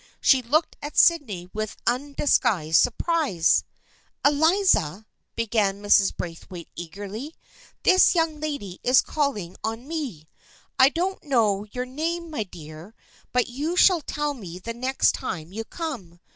She looked at Sydney with undis guised surprise. " Eliza/' began Mrs. Braithwaite eagerly, " this young lady is calling on me. I don't know your name, my dear, but you shall tell me the next time you come.